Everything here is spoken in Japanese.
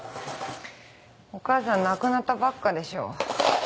お母さん亡くなったばっかでしょ。